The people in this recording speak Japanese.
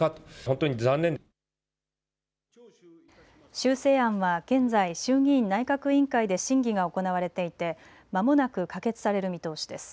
修正案は現在、衆議院内閣委員会で審議が行われていてまもなく可決される見通しです。